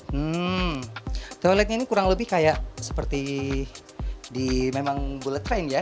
hmm toiletnya ini kurang lebih kayak seperti di memang bullet train ya